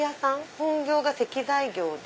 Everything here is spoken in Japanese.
本業が石材業で。